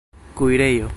kuirejo